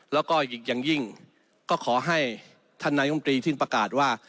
แล้วก็อีกอย่างยิ่งก็ขอให้ท่านนายมตรีที่ประกาศว่า